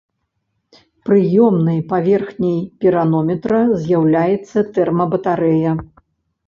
Прыёмнай паверхняй піранометра з'яўляецца тэрмабатарэя.